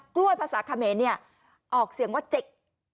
กล้วยภาษาเขมรเนี่ยออกเสียงว่าเจก